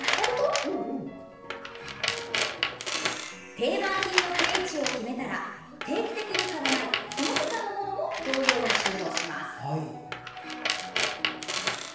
定番品の定位置を決めたら定期的に買わないその他のものも同様に収納します。